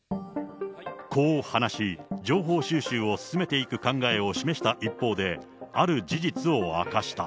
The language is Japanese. こう話し、情報収集を進めていく考えを示した一方で、ある事実を明かした。